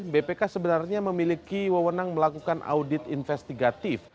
bpk sebenarnya memiliki wewenang melakukan audit investigatif